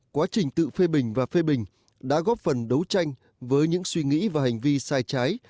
quá trình tự phê bình và phê bình đã góp phần đấu tranh với những suy nghĩ và hành vi sai trái